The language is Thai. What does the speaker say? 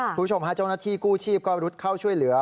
คุณผู้ชมฮาจงนาธิกู้ชีพก็รุดเข้าช่วยเหลือ